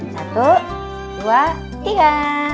satu dua tiga